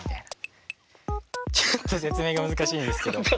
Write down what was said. ちょっと説明が難しいんですけど。